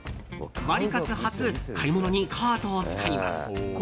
ワリカツ初買い物にカートを使います。